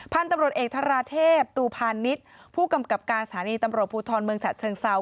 พันธุ์ตำรวจเอกธาราเทพตูพาณิชย์ผู้กำกับการสถานีตำรวจภูทรเมืองฉะเชิงเซา